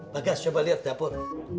bagas coba lihat dapur